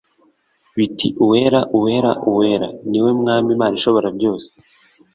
biti “Uwera, Uwera, Uwera, ni we Mwami Imana Ishoborabyose,